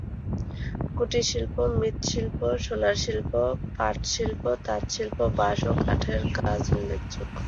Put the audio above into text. কুটিরশিল্প মৃৎশিল্প, সোলারশিল্প, পাটশিল্প, তাঁতশিল্প, বাঁশ ও কাঠের কাজ উল্লেখযোগ্য।